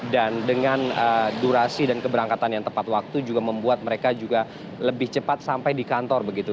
dan dengan durasi dan keberangkatan yang tepat waktu juga membuat mereka juga lebih cepat sampai di kantor begitu